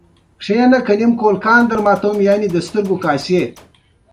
تاريخي څلي، علومو اکادميو، جوماتونه په اړه معلومات ورکړي دي .